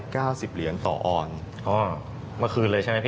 มาคืนเลยใช่ไหมพี่